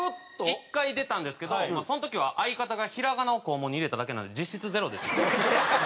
１回出たんですけどその時は相方が平仮名を肛門に入れただけなんで実質ゼロです。